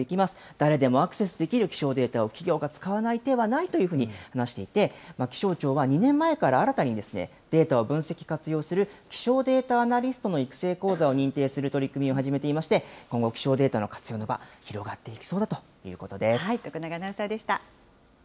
誰でもアクセスできる気象データを企業が使わない手はないというふうに話していて、気象庁は２年前から新たにデータを分析活用する気象データアナリストの育成講座を認定する取り組みを始めていまして、今後、気象データの活用の場、広がっていきそうだということです。